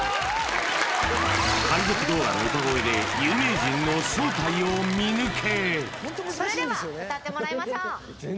海賊ドーラの歌声で有名人の正体を見抜け！